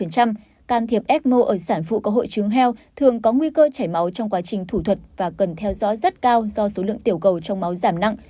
can thiệp ecmo ở sản phụ có hội chứng heo thường có nguy cơ chảy máu trong quá trình thủ thuật và cần theo dõi rất cao do số lượng tiểu cầu trong máu giảm nặng